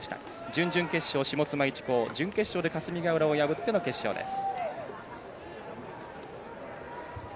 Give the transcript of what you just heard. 準々決勝、下妻一高準決勝で霞ヶ浦を破っての決勝です。